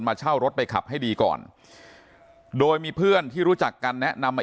เช่ารถไปขับให้ดีก่อนโดยมีเพื่อนที่รู้จักกันแนะนำมา